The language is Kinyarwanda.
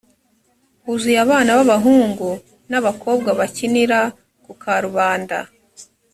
huzuye abana b abahungu n ab abakobwa bakinira ku karubanda